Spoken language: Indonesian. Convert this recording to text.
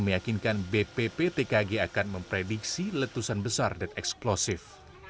meyakinkan bpptkg akan memprediksi letusan besar dan eksplosif